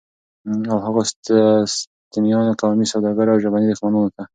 او هغو ستمیانو، قومي سوداګرو او ژبني دښمنانو ته